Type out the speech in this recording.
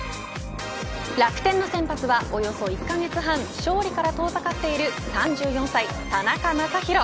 楽天の先発は、およそ１カ月半勝利から遠ざかっている３４歳、田中将大。